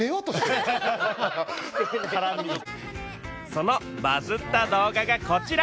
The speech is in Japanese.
そのバズった動画がこちら！